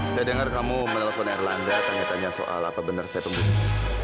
saya dengar kamu menelpon erlangga tanya tanya soal apa benar saya tunggu